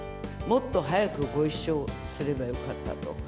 もっと早くご一緒すればよかったと。